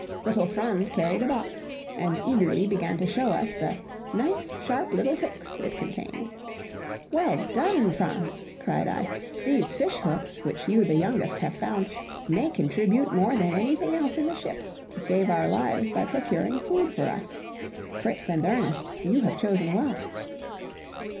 Little Franz carried a box, and eagerly began to show us the "nice sharp little hooks" it contained. "Well done, Franz!" cried I; "these fish hooks, which you, the youngest, have found, may contribute more than anything else in the ship to save our lives by procuring food for us. Fritz and Ernest, you have chosen well."